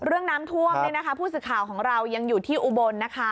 เรื่องน้ำท่วมผู้สื่อข่าวของเรายังอยู่ที่อุบลนะคะ